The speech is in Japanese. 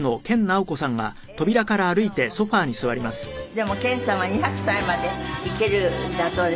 でも研さんは２００歳まで生きるんだそうで。